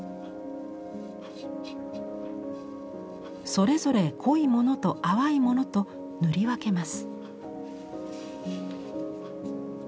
それぞれ濃いものと淡いものと塗り分けます。